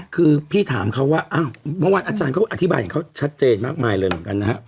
คือพี่ถามเขาว่าอ้าวเมื่อวานอาจารย์ก็อธิบายของเขาชัดเจนมากมายเลยเหมือนกันนะฮะ